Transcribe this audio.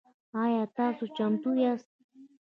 آیا تاسو چمتو یاست؟